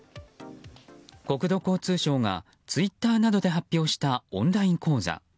国土交通省がツイッターなどで発表したオンライン講座。